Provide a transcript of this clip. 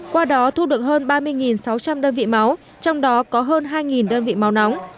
qua đó thu được hơn ba mươi sáu trăm linh đơn vị máu trong đó có hơn hai đơn vị máu nóng